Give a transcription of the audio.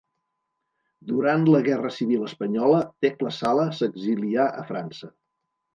Durant la Guerra Civil Espanyola, Tecla Sala s'exilià a França.